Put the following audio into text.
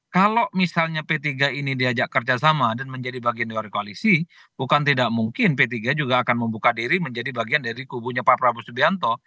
kalau misalnya p tiga ini diajak kerjasama dan menjadi bagian dari koalisi bukan tidak mungkin p tiga juga akan membuka diri menjadi bagian dari kubunya pak prabowo subianto